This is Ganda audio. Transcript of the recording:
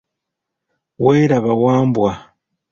Weeraba Wambwa.